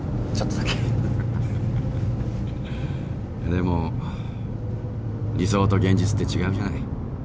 でも理想と現実って違うじゃない。